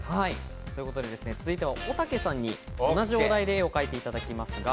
続いては、おたけさんに同じお題で絵を描いていただきます。